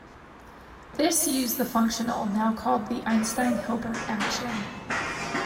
This used the functional now called the Einstein-Hilbert action.